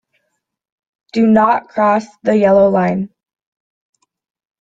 Do not cross the yellow line.